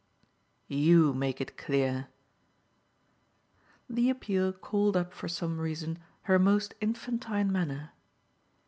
"YOU make it clear." The appeal called up for some reason her most infantine manner.